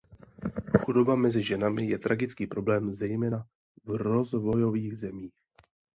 Chudoba mezi ženami je tragický problém, zejména v rozvojových zemích.